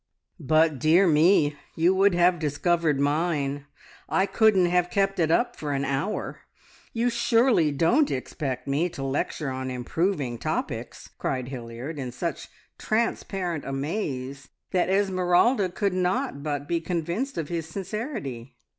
"But, dear me, you would have discovered mine! I couldn't have kept it up for an hour. You surely don't expect me to lecture on improving topics!" cried Hilliard, in such transparent amaze that Esmeralda could not but be convinced of his sincerity.